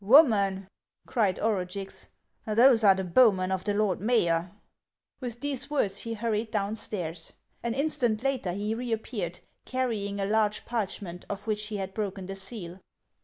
" Woman," cried Orugix, " those are the bowmen of the lord mayor." With these words he hurried downstairs. An instant later he reappeared, carrying a large parch ment, of which he had broken the seal.